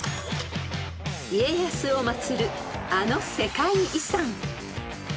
［家康を祭るあの世界遺産］